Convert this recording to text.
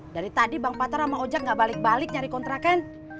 dari tadi bang patra sama ojek nggak balik balik nyari kontrakan